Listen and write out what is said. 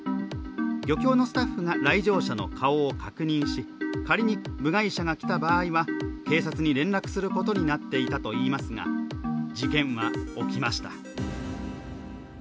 漁協のスタッフが来場者の顔を確認し仮に部外者が来た場合は警察に連絡することになっていたといいますが、事件は起きました。